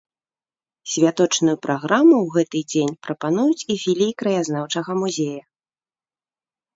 Святочную праграму ў гэты дзень прапануюць і філіі краязнаўчага музея.